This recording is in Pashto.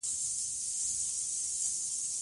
پسرلی د افغانستان په اوږده تاریخ کې ذکر شوی دی.